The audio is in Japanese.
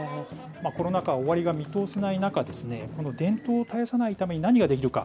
コロナ禍、終わりが見通せない中、この伝統を絶やさないために何ができるか。